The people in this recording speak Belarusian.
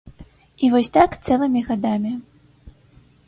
І вось так цэлымі гадамі.